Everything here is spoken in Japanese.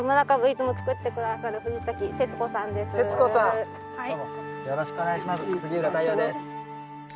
杉浦太陽です。